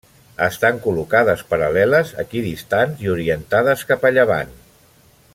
Estan col·locades paral·leles, equidistants i orientades cap a llevant.